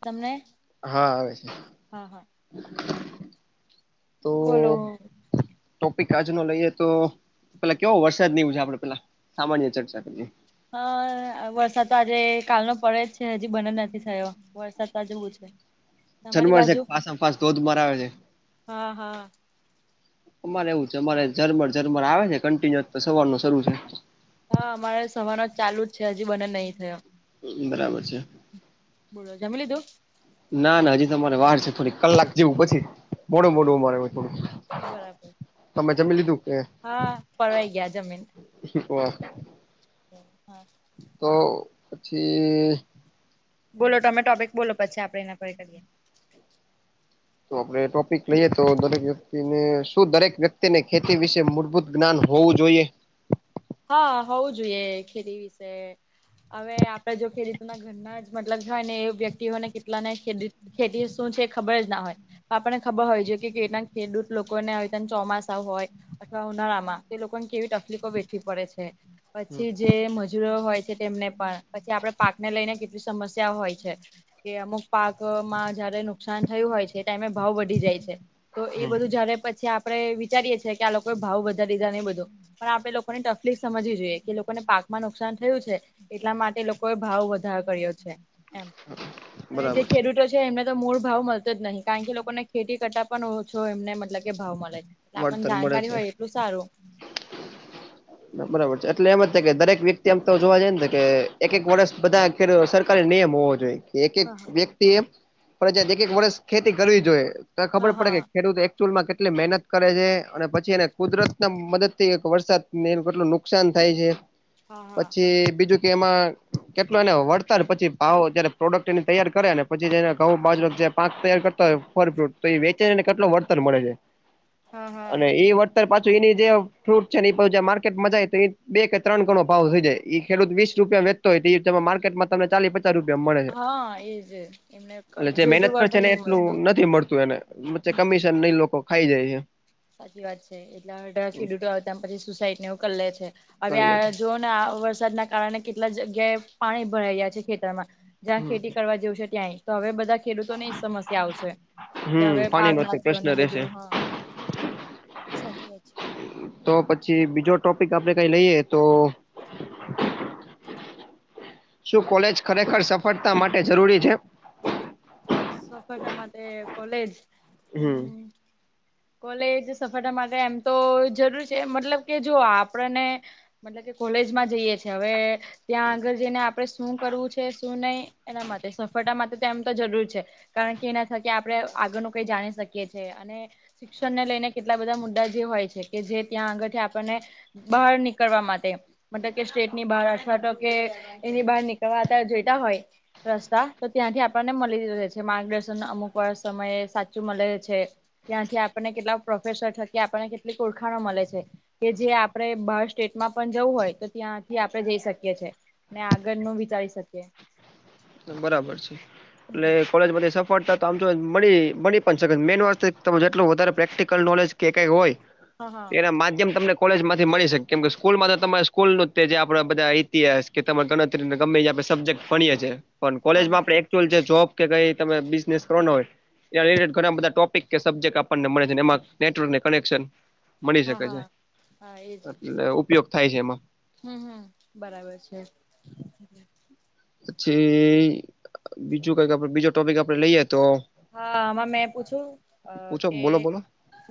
તમને હા આવે છે. હા હા તો બોલો? ટોપિક આજ નો લઈએ તો પેલા કેવો વરસાદ ની આપડે પેલા સામાન્ય ચર્ચા કરીએ હા વરસાદ તો આજે કાલનો પડે જ છે હજી બન જ નથી થયો વરસાદ તો આજેવું છે. તમારી જરમર છે બાજુ ફાસમ ફાસ ધોધ માર આવે છે. હા હા અમારે એવું છે અમારે ઝરમર ઝરમર આવે છે કન્ટિન્યુઅ તો સવાર નો શરૂ છે. હા અમારે સવારનો ચાલુ જ છે હજી બન જ નહીં થયો બરાબર છે. બોલો જમી લીધું? ના ના હજી તમારે વાર છે થોડીક કલાક જેવું પછી મોડું ઓહો મોડું અમારે થોડું બરાબર તમે જમી લીધું કે? હા પરવાઈ ગયા જમીન હા તો પછી બોલો તમે ટોપિક બોલો પછી આપડે એના પર કરીએ તો આપે ટોપિક લઈએ તો દરેક વ્યક્તિને શું દરેક વ્યક્તિને ખેતી વિશે મૂળભૂત જ્ઞાન હોવું જોઈએ. હા હોવું જોઈએ ખેતી વિશે હવે આપડે જો [inaudible] એમના જ મતલબ બધાયને એ વ્યક્તિ હો ને કેટલાને ખેતી શું છે ખબર જ ના હોય આપણને ખબર હોય છે કે કેટલાક ખેડૂત લોકોને હવે તા ચોમાસા હોય અથવા ઉનાળામાં તે લોકોને કેવી તકલીફો વે પડે છે પછી હમ જે મજૂરો હોય છે તેમને પણ પછી આપડે પાક ને લઈને કેટલી સમસ્યા હોય છે. કે અમુક પાકમાં જયારે નુકસાન થયું હોય છે એ ટાઈમે ભાવ વધી જાય છે. તો એ બધું જારે પછી આપડે વિચારીએ છીએ કે આ લોકોએ ભાવ વધારી દીધા ને એ બધું પણ આપણે લોક લોકોને તકલીફ સમજીવી જોઈએ કે લોકોને પાકમાં નુકસાન થયું છે એટલા માટે લોકોએ ભાવ વધારો કર્યો છે. એમ અને જે ખેડૂતો છે એમને તો મૂળ ભાવ મળતો જ નહી કારણ કે લોકોને ખેતી કરતા પણ જો એમને મતલબ કે ભાવ મલે આપણને વળતર મળે જાણકારી છે. હોય એટલું સારું. બરાબર છે એટલે એમ જ દરેક વ્યક્તિ એમ તો જોવા જઈએ ને કે એક એક વર્ષ બધા સરકારી નિયમ હોવો જોઈએ કે એક એક હા વ્યક્તિ [inaudible] ફરજિયાત એક એક વર્ષ ખેતી કરવી જોઈએ તો હા ખબર પડે કે હા ખેડૂત [inaudible] કેટલી મહેનત કરે છે અને પછી એને કુદરતના મદદથી એક વરસાદ ને એનું કેટલું નુકસાન થાય છે હા પછી બીજું કે એમાં કેટલો એને વળતા પછી ભાવ જયારે પ્રોડક્ટ એની તૈયાર કરે ને પછીને ઘઉં, બાજરો જે પાંક તૈયાર કરતા હોય પર ફ્રુટ તો એ વેચેને કેટલું વળતર મળે છે? હા હા અને એ વળતર પાછું એની જે ફ્રૂટ છે. માર્કેટમાં જાય તો બે કે ત્રણ ગણો ભાવ થઈ જાય ઈ ખેડૂત વીસ રૂપિયા વેચતો હોય એ માર્કેટમાં તમ ચાલી- - રૂપિયા મળે છે હા એજ એમને એટલે જે જોઈતું મહેનત કરશે વળતર ને નહી મળતું એટલું નથી મળતું એને વચ્ચે હમ કમીશન ને લોકો ખાઈ જાય છે. સાચી વાત છે એટલે [inaudible] પછી સુસાઈડને એવું કરી લે છે હવે કરી લે આ છે જો- - આ વરસાદના કારણે કેટલા જગ્યાએ પાણી ભરાઈ ગયા છે ખેતરમાં જ્યાં હમ ખેતી કરવા જેવું છે ત્યાંય તો હવે બધા ખેડૂતોને સમસ્યા આવશે કે હવે હમ પાણી પાક નો પ્રશ્ન રહેશે [inaudible] સાચી વાત છે. તો પછી બીજો ટોપિક આપડે કઈ લઈએ તો શું કોલેજ ખરેખર સફળતા માટે જરૂરી છે? સફળતા માટે કોલેજ હ- - [inaudible] કોલેજ સફળતા માટે એમ તો જરૂર છે મતલબ કે જો આપણને મતલબ કે કોલેજ માં જઈએ છે હવે ત્યાં આગળ જઈને આપણે શું કરવું છે શું નહી એના માટે [inaudible] તેમ તો જરૂર છે કારણ કે એના થકી આપણે આગળનું કઈ જાણી શકીએ છીએ અને શિક્ષણ ને લઈને કેટલા બધા મુદ્દા જે હોય છે કે જે ત્યાં આગળથી આપણને- - બહાર નીકળવા માટે- - મતલબ કે સ્ટેટ ની બહાર અથવા તો કે એની બહાર નીકળવાતા જોઈતા હોય રસ્તા તો ત્યાંથી આપણને મળી રહે છે માર્ગદર્શન અમુક વાર સમયે સાચું મળે છે. ત્યાંથી આપણને કેટલા પ્રોફેસર થકી આપણને કેટલી ઓળખાણો મળે છે. કે જે આપણેે બાર સ્ટેટમાં પણ જવું હોય તો ત્યાંથી આપણે જઈ શકીએ. ને આગળ નું વિચારી શકીએ. બરાબર છે એટલે કોલેજમાંથી સફળતા તો આમ જોવે તો મળી મળી પણ શકે મેન વસ્તુ ઈ કે તમે જેટલું વધારે પ્રેક્ટિકલ નોલેજ કે કઈ હોય હા હા એના માધ્યમ તમને કોલેજ માંથી મળી શકે કેમ કે સ્કૂલમાં તો તમારે સ્કૂલ ન જે આપણા બધા ઇતિહાસ કે તમા ગણ ગમે ન્યા આપણે સબજેકટ ભણીએ છીએ, પણ હા કોલેજમાં હા આપે જોબ કે કઈ તમે બિઝનેસ કરવાનો હોય ટે ઘણા બધા ટોપિક કે સબ્જેક્ટ આપણને મળે છે, એમાં નેટવર્ક ને કનેક્શન મળી હા શકે છે, હા. હા એજ એટલે ઉપયોગ થાય છે એમાં હમ હમ બરાબર છે. પછી બીજું કઈક આપડ બીજો ટોપિક આપડે લઈએ તો હા આમાં મેં પૂછું પૂછો કે બોલો બોલો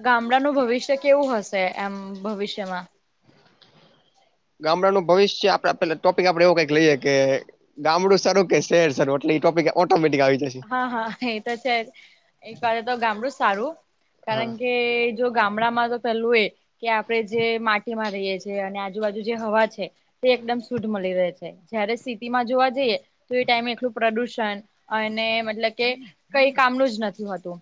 ગામડાનું ભવિષ્ય કેવું હશે એમ ભવિષ્યમાં? ગામડાનું ભવિષ્ય, આપડે પેલા ટોપિક આપડે એવું કઈક લઈએ કે ગામડું સારું કે શહેર સારું એટલે એ ટોપિક ઓટોમેટિક આવી જશે. હા હા એ તો છે, એ કરે તો ગામડું સારું, હા કારણ કે કે જો ગામડા માં તો પેલું એ કે આપણે જે માટીમાં રહીએ છીએ અને આજુબાજુ જે હવા છે તે એકદમ શુદ્ધ મળી રહે છે, જયારે સ્થિતિમાં જોવા જઈએ તો એ ટાઈમે એટલું પ્રદુષણ અને મતલબ કે કઈ કામનું જ નથી હોતું,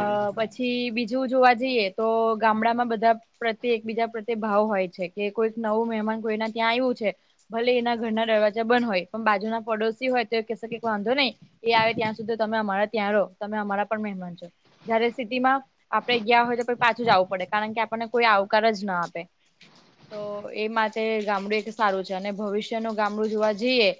અ પછી બ જેવું જોવા જઈએ, તો ગામડા માં બધા પ્રત્યે એકબીજા પ્રત્યે ભાવ હોય છે કે કોઈક નવું મહેમાન કોઈને ત્યાં આવ્યું છે ભલે એના ઘરના દરવાજા બંધ હોય, પણ બાજુ ના પડોશી હોય તો એ કેસે ક વાંધો નહીં એ આવે ત્યાં સુધી તમે અમારા ત્યાં રહો, તમે અમારા પણ મહેમાન છો, જયારે સિટીમાં આપડ ગયા હોય તો પાછું જ આવવું પડે, કારણ કે આપણને કોઈ આવકાર જ ના આપે તો એ માટે ગામડું એક સારું છે અને ભવિષ્યનું ગામડું જોવા જઈએ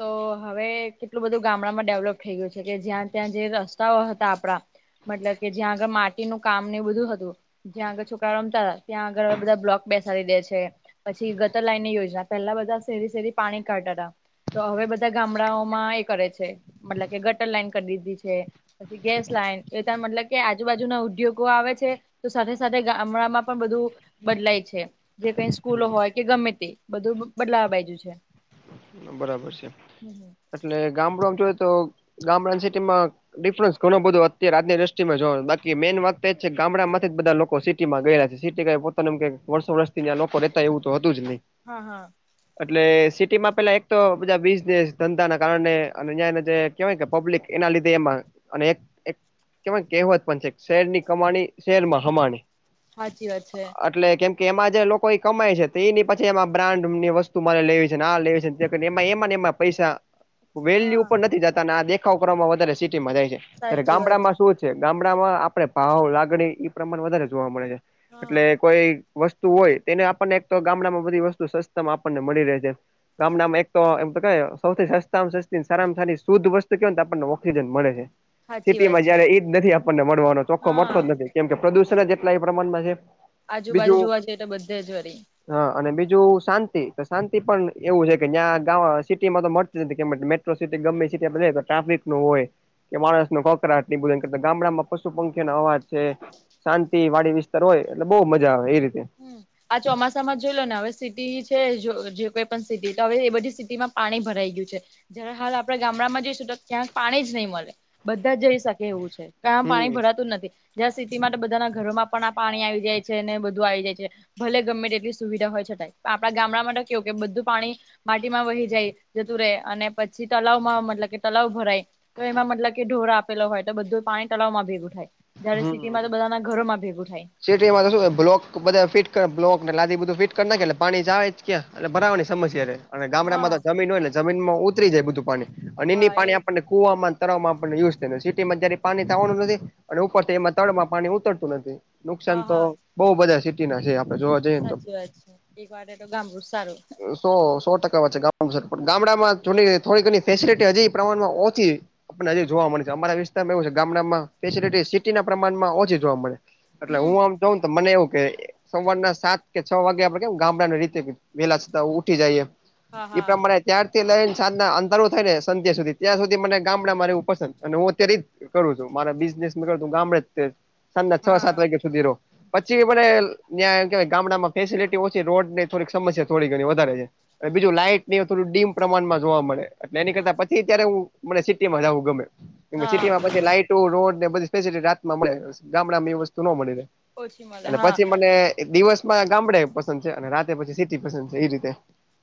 તો હવે કેટલું બધું ગામડામાં ડેવલપ થઈ ગયું છે કે, જ્યાં ત્યાં જે રસ્તાઓ હતા આપડા મતલબ કે જ્યાં આગળ માટીનું કામ ને બધું હતું જ્યાં આગળ છોકરાઓ રમતા ત્યાં આગળ બધા બ્લોક બેસાડી દે છે પછી ગટર લાઈનની યોજના, પહેલા બધા શેરી શેરી પાણી કાઢતા હતા તો હવે બધા ગામડાઓમાં એ કરે છે, મતલબ કે ગટર લાઈન કરી દીધી છે પછી ગેસ લાઈન એ ત મતલબ કે આજુબાજુના ઉદ્યોગો આવે છે તો સાથે સાથે ગામડામાં પણ બધું બદલાય છે જે કઈ સ્કૂલો હોય કે ગમે તે બધું બદલાવા બાજુ છે બરાબર છે, હમ એટલે ગામડુંમાં જો તો ગામડાની સિટીમાં ડિફરન્સ ઘણું બધું અત્યારે આજની દ્રષ્ટિમાં જોવા બાકી મેન વાત એ જ છે કે ગામડામાંથી જ બધા લોકો સ સિટીમાં ગયેલા છે, સિટી ક પોતા વર્ષો વર્ષથીં લોકો રહેતા એવું તો હતું જ નઈ હા હા. એટલે સિટીમાં પેલા એક તો બધા બિઝનેસ ધંધા ના કારણે અને એ જે કેહવાય કે પબ્લિક એના લીધે એમાં અને એક કેવાય કહેવત પણ છે, શહેરની કમાણી શહેરમાં હમાણી હાચી વાત છે. એટલે કેમ કે એમાં જે લોકો કમાય છે, તે એની પછી એમાં બ્રાન્ડ ની વસ્તુ મને લેવી છે, આ લેવી છે એમાં એમાંને એમાં પૈસા વેલ્યુ હા પણ નથી જતા, અને આ દેખાવ કરવામાં વધારે સિટીમાં જાય છે ત્યારે સાચી વાત ગામડામાં શું છે, ગામડામાં આપડે ભાવ લાગણી ઈ પ્રમાણ વધારે જોવા મળે છે હા એટલે કોઈ વસ્તુ હોય તેને આપણને એક તો ગામડામાં બધી વસ્તુ સસ્તમાં આપણને મળી રહે છે ગામડામાં એક તો એમ સૌથી સસ્તામાં સસ્તી સારામાં સારી શુદ્ધ વસ્તુ કેય તો આપણને ઓક્સિજન મળે છે સાચી સિટી વાત માં છે જયારે ઈજ નથી આપણને મળવાનો ચોખ્ખો મથો હા જ નથી, કેમ કે પ્રદુષણ જ એટલા એ પ્રમાણમાં છે આજુબાજુ બીજું જોવા જએ એ તો બધે જ વારી હા અને બીજું શાંતિ, તો શાંતિ પણ એવું છે કે જ્યાં ગ સિટીમાં તો મળતી નથી કે મેટ્રો સીટી ગમે એ સિટી માં રેય તો ટ્રાફિક તો હોય. કે માણસ નો કોકરાટ એ બધું કરતા ગામડામાં પશુ પંખી નો અવાજ છે. શાંતિ વાડી વિસ્તાર હોય એટલે બહુ મજા આવે એ રીતે. હમ આ ચોમાસામાં જોઈ લો ને હવે સિટી છે જે કોઈ પણ સિટી તો હવે એ બધી સિટીમાં પાણી ભરાઈ ગયું છે. જરા હાલ આપડે ગામડામાં જઈશું તો ક્યાંક પાણી જ નહી મળે બધા જઈ શકે એવું છે. ઘણા પાણી હમ ભરાતું જ નથી જ્યાં સિટી મા ને બધાના ઘરોમાં પણ આ પાણી આવી જાય છે ને બધું. આવી જાય છે ભલે ગમે તેટલી સુવિધા હોય છતાંય પણ આપડા ગામડા મા તો કેવું કે બધું પાણી. વાડીમાં વહી જાય જતું રે અને પછી તલાવમાં મતલબ કે તલાવ ભરાય. તો એમાં મતલબ કે ઢોરો આપેલો હોય તો બધું પાણી તળવમાં ભેગું થાય. જયારે સીટીમાં તો બધાના ઘરોમાં ભેગું થાય. સિટી માં તો શું બ્લોક બધા ફિટ બ્લોક ને લાદી બધું ફિટ કરી નાખે એટલે પાણી જાવે જ ક્યાં અને ભરાવાની સમસ્યા રે. અને ગામડામાં હા તો જમીન હોય એટલે જમીનમાં ઉતરી જાય બધું પાણી અને ઈને ઈ હા પાણી એ આપણને. કુવામાં તરાવમાં આપણને યુઝ થાય સિટીમાં ક્યારે પાણી થવાનું નથી. અને ઉપર થી એમાં તળમાં પાણી ઉતરતું નથી હા નુકસાન તો હા બહુ બધા સિટી ના છે આપડે જોવા. જઈએ ને તો સાચી વાત છે ઈ માટે તો ગામડું સારું. સો સો ટકા વાત છે ગામ ગામડામાં થોડી ઘણી ફેસિલિટી હજી પ્રમાણમાં ઓછી. આપણને હજી જોવા મળે છે અમારા વિસ્તારમાં એવું છે ગામડામાં. ફેસિલીટી સીટી ના પ્રમાણમાં ઓછી જોવા મળે એટલે હમ હું આમ જાઉંને તો મને એવું કે. સવારના સાત કે છ વાગે આપડે કેમ ગામડાના રીતે વેલા છતા ઉઠી જઈએ. હા ઈ હા પ્રમાણે. ત્યારથી લઈ ને સાજના અંધારુ થાય ને સંધ્યા સુધી ત્યાં સુધી મને ગામડા મા રેવું પસંદ અને હું અત્યારે ઈજ. કરું છું મારા બિઝનેસ ને ગામડે જ તે સાંજના છ સાત હા વાગ્યા સુધી રહું. પછી મને ન્યા કેવાય ગામડામાં ફેસિલટી ઓછી રોડ ની થોડીક સમસ્યા થોડી ઘણી વધારે છે. બીજું લાઈટ ની થોડું ડીમ પ્રમાણમાં જોવા મળે. તેની હા કરતા હા પછી અત્યારે હું મને સિટીમાં જાઉ ગમે હા સિટીમાં પછી લાઈટો રોડ. બધી ફેસિલિટી રાતમાં મળે ગામડામાં એ વસ્તુ નો મળી રહે ઓછી મળે અને હા પછી મને. દિવસમાં ગામડે પસંદ છે અને રાતે પછી સિટી પસંદ છે એ રીતે.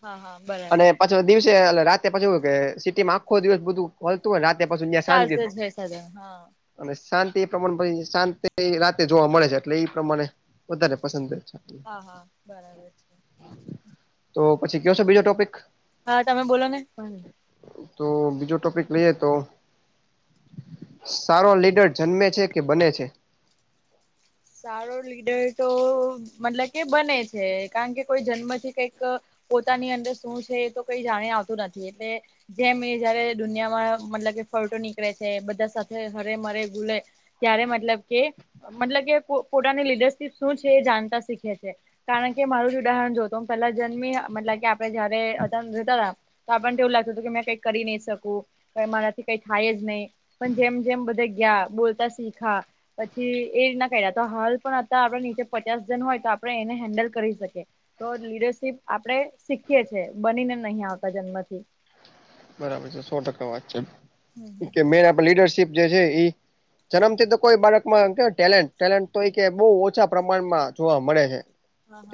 હા હા બરાબર. જો દિવસે એલે રાતે પછી એવું કે સિટી માં આખો દિવસ બધું મલતું હોય રાતે પાછું ન્યા શાંતિ. ચાલશે જ હે હા. અને શાંતિ એ પ્રમાણે પછી શાંતિ રાતે જોવા મળે છે એટલે એ પ્રમાણે વધારે પસંદ જ છે. હા હા બરાબર છે. તો પછી કયો છો બીજો ટોપિક હા તમે બોલો ને. તો બીજો ટોપિક લઈએ તો. સારો લીડર જન્મે છે કે બને છે. સારો લીડર તો મતલબ કે બને છે કારણ કે કોઈ જન્મથી કઈંક. પોતાની અંદર શું છે એ તો કઈ જાણી આવતું નથી એટલે. જેમ એ જયારે દુનિયામાં મતલબ કે ફલટો નીકળે છે બધા સાથે હરે મરે જુલે. ત્યારે મતલબ કે મતલબ કે પોતાની લીડરશીપ શું છે એ જાણતા શીખે છે. કારણ કે મારું જ ઉદાહરણ જો તો હું પેલ્લા જન્મી મતલબ કે આપણે જયારે અ જતા હતા. તો આપણને એવું લાગતું હતું કે મેં કઈ કરી નઈ શકું મારાથી કઈ થાય જ નઈ. પણ જેમ જેમ બધાં ગયા બોલતા શીયખા પછી એ રીતના. કયરા તો હાલ પણ અતારે આપડે નીચે પચાસ જન હોય તો આપણે એને હેન્ડલ કરી શકીએ. તો લીડરશીપ આપડે શીખીએ છે બનીને નહીં આવતા જન્મથી. બરાબર છે સો ટકા વાત છે કેમકે હા મે આપે લીડરશીપ જે છે ઈ. જન્મથી તો કોઈ બાળકમાં કે ટેલેન્ટ ટેલેન્ટ તો એ કે બો ઓછા પ્રમાણમાં જોવા મળે છે.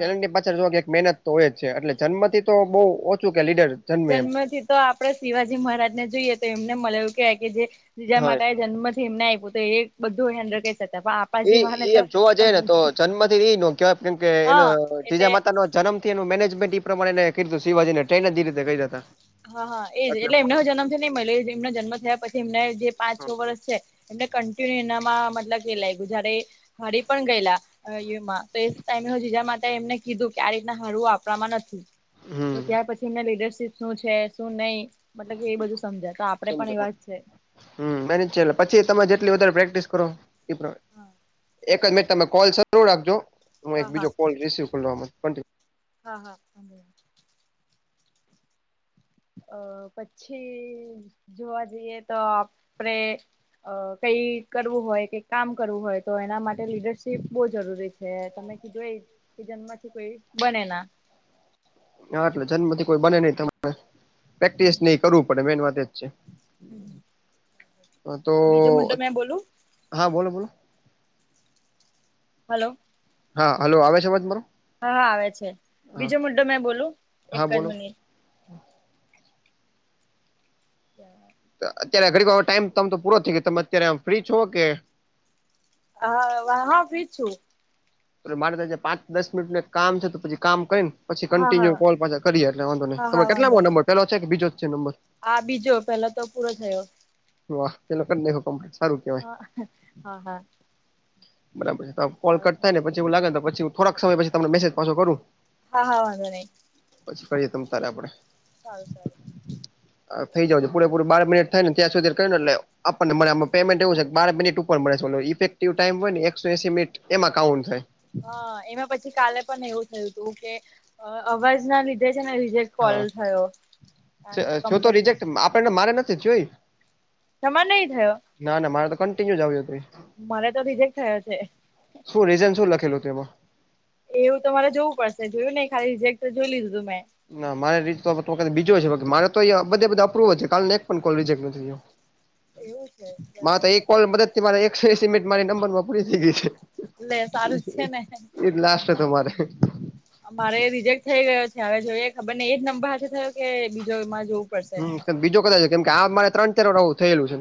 હા કે પાછળ જો કે એક મહેનત તો હોય જ છે એટલે જન્મથી તો બો ઓછું કે લીડર. જન્મે એમ જન્મથી તો આપડે શિવાજી મહારાજ ને જોઈએ તો એમને મલે એવું કે જે બીજા હા માટે જન્મ. એમને આયપૂ તો એ બધું આયા. એ એમ જોવા જઈ ને તો જન્મથી નો કેવાય કેમ કે એનો હા એટલે જીજા માતા નો. જન્મથી એનું મેનેજમેન્ટ ઈ પ્રમાણે એને કીધુ શિવાજી ને ટ્રેન જ જે રીતે કયૉતા. હા હા, એજ એટલે એમનો હો જન્મથીની મલ્યો એજ એમનો જન્મ થયા પછી એમને જે પાંચ થયા છ વર્ષ છે. એટલે કન્ટિન્યુ એનામાં મતલબ [unintelligible] જ્યારે એ હારી પણ ગયેલા. [unintelligible] તો એ ટાઈમે હ જીજા માસા એમને કીધું કે આ રીતના હળવું આપમાં નથી. તો હમ ત્યાં પછી એમને લીડરશીપ શું છે, શું નઈ મતલબ કે એ બધું સમજાય તો આપણે પણ એવાજ છે હમ્મ, બે છેલે પછી તમે જેટલી વધારે પ્રેક્ટિસ કરો હા [unintelligible] એક જ સાચી મિનિટ વાત તમે કોલ શરૂ રાખજો. હું એક હા બીજો કોલ રિસિવ [unintelligible] હા હા. અ પછી જોવા જઈએ તો આપરે અ કઈ કરવું હોય કે કામ કરવું હોય તો એના માટે લીડરશીપ બો જરૂરી છે, તમે [unintelligible] જન્મથી કોઈ બનેના. હા એટલે જન્મથી કોઈ બને નઈ તમારે પ્રેક્ટિસ ને કરવું પડે મેન વાત એ જ છે. તો હમ, બીજો મુદ્દો મે બોલું? હા, બોલો બોલો હલો હા હાલો આવે છે, અવાજ મારો? હા આવે છે, હા બીજો મુદ્દો મેં બોલું એક હા જ બોલો મિનિટ [unintelligible] અત્યારે ઘડી ટાઈમ તમતો પૂરો થઈ ગયો તમે અત્યારે ફ્રી છો કે? હા વા હ ફ્રી જ છું. મારે ત પાંચ દસ મિનિટનુ કામ છે, તો પછી કામ કરીને પછી હા કન્ટિન્યુ હા કોલ પાછા કરીએ એટલે વાંધો નહીં હા ત હા કેટલા બ વાંધો નહી નંબર પેલો છે, કે બીજો જ છે, નંબર? આ બીજો પેલા તો પૂરો થયો. વાહ [unintelligible] હા, હા, હા બરાબર છે, કોલ સારું કટ થાયને સારું પછી એવુ લાગે ત પછી થોડાક સમય પછી તમ મેસેજ પાછો કરું. હા હા વાધો નય પછી કરીએ તમ તારે આપડે [unintelligible] થઈ જાવજ પૂરેપૂરી બાર મિનિટ થાય ને ત્યાં સુધી [unintelligible] આપણને મણે આમાં પેમેન્ટ એવું છે, કે બાર મિનિટ ઉપર મળે છેલો ઇફેક્ટિવ ટાઈમ હોય ને એકસો એસી મિનિટ એમાં કાઉન્ટ થાય. હા એમાં પછી કાલે પણ એવું થયું હતું કે અ અવાજ ના લીધે છે, ને રિજેક્ટ કોલ થયો [unintelligible] આપડને મારે નથી જોય. જમા નહી થયો. ના ના મારે તો કન્ટિન્યુ આવયોત્રી મરે તો રીજેક થયો છે. શું રીઝન શું લખેલું તેમાં? એવું તમારે જોવું પડશે જોયું ને ખાલી રિજેક્ટ જોઈ લીધું તું મેં ના મારી [unintelligible] બીજો છે, મારે તો બધે બધા અપ્રવ છે, કાલનો એક પણ કોલ રજેક્ટ નથીયો એવું છે મા તો એક બરાબર કોલ મદદથી મારે એકસો એસી મિનિટ મારી નંબરમા પુરી થયા ગય છે, લે સારું જ છે ને એ લાસ્ટ હતો અમારે મારે અમારે રિજેક્ટ થઈ ગયો છે, હવે જોઈએ ખબર ને એજ નંબર હાથે થયો કે બીજો એમાં જો હમ્મ બીજું કદાચ છે કેમ કે આ મારે ત્રણ ચારવું થયેલું છે.